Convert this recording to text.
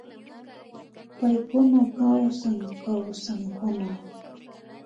Paykuna kawsan kawsankuna